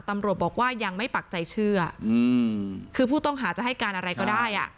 ตำรวจบอกว่ายังไม่ปักใจเชื่อคือผู้ต้องหาจะให้การอะไรก็ได้อ่ะ